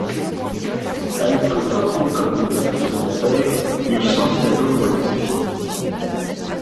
Elle fréquente l'école primaire et secondaire du Santiago College.